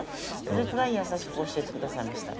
それくらい優しく教えてくださいました。